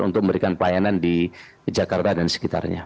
untuk memberikan pelayanan di jakarta dan sekitarnya